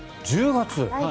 １０月。